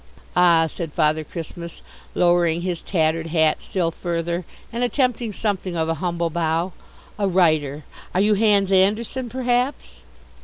"Ah," said Father Christmas, lowering his tattered hat still further and attempting something of a humble bow, "a writer? Are you Hans Andersen, perhaps?"